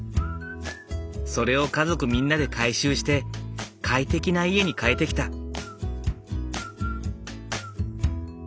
それを家族みんなで改修して快適な家に変えてきた。